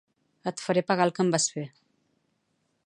Et faré pagar el que em vas fer.